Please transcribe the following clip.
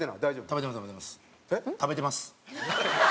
食べてます。